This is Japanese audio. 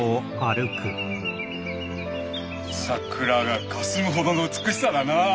桜がかすむほどの美しさだなぁ。